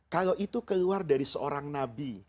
kalau itu keluar dari seorang nabi